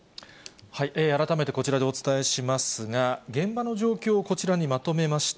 改めてこちらでお伝えしますが、現場の状況をこちらにまとめました。